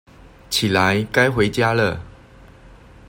起來，該回家了